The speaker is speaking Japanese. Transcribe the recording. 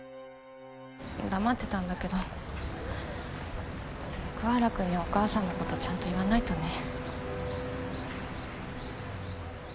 黙ってたんだけど桑原君にはお母さんのことちゃんと言わないとね。